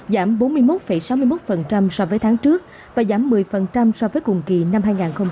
giảm bốn mươi một sáu mươi một so với tháng trước và giảm một mươi so với cùng kỳ năm hai nghìn một mươi chín